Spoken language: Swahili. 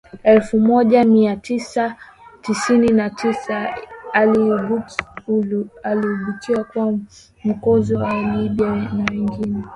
elfu moja mia tisa sitini na tisa aliibukia kuwa mkombozi wa Walibya na wengi